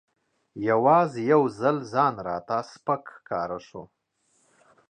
یوازې یو ځل ځان راته سپک ښکاره شو.